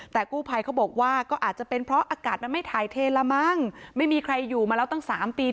แต่กู้ภัยเขาบอกว่าก็อาจจะเป็นเพราะอากาศมันไม่ถ่ายเทละมั้ง